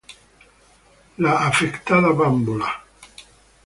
La afectada bambolla